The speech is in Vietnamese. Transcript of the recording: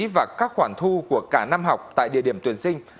và các khoản thu của cả năm học tại địa điểm tuyển sinh